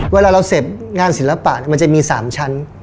เวลาเราเสพงานศิลปะมันจะมี๓ชั้น